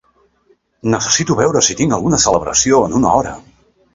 Necessito veure si tinc alguna celebració en una hora.